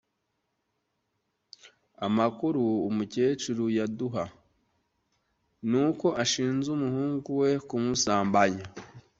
Amakuru umukecuru yaduha nuko ashinja umuhungu we kumusambanya.